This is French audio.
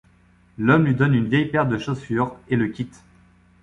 L’homme lui donne une vieille paire de chaussures et le quitte.